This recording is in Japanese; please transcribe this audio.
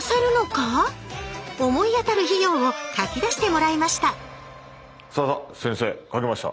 思い当たる費用を書き出してもらいましたさあ先生書きました。